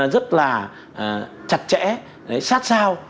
rất là chặt chẽ sát sao